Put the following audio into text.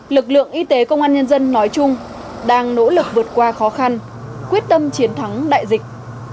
lực lượng y tế công an nhân dân nói chung đang nỗ lực vượt qua khó khăn quyết tâm chiến thắng đại dịch